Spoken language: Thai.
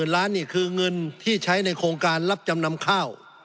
ล้านนี่คือเงินที่ใช้ในโครงการรับจำนำข้าว